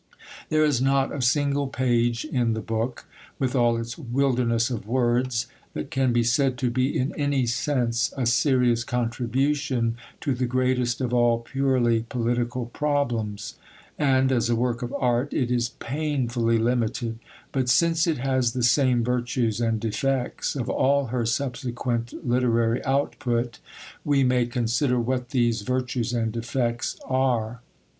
There is not a single page in the book, with all its wilderness of words, that can be said to be in any sense a serious contribution to the greatest of all purely political problems. And, as a work of art, it is painfully limited; but since it has the same virtues and defects of all her subsequent literary output, we may consider what these virtues and defects are.